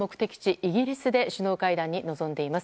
イギリスで首脳会談に臨んでいます。